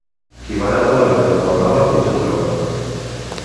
Qui barata la vella per la nova, pitjor troba.